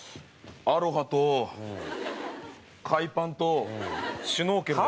アロハと海パンとシュノーケルです。